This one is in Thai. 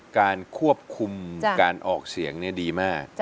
การควบคุมการออกเสียงดีมาก